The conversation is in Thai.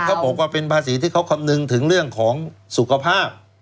เขาบอกว่าเป็นภาษีที่เขาคำนึงถึงเรื่องของสุขภาพ